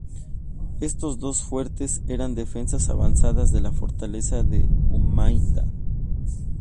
Estos dos fuertes eran defensas avanzadas de la Fortaleza de Humaitá.